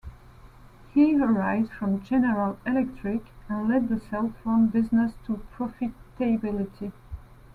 He arrived from General Electric and led the cell phone business to profitability.